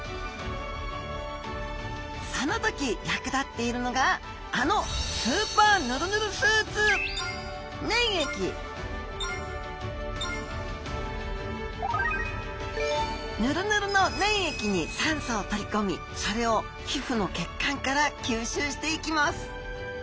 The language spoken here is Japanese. その時役立っているのがあのぬるぬるの粘液に酸素を取り込みそれを皮膚の血管から吸収していきます。